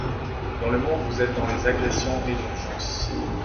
Dans le monde vous êtes dans les agressions et l'urgence.